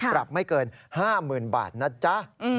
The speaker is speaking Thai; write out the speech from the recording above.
ปรับไม่เกิน๕๐๐๐บาทนะจ๊ะ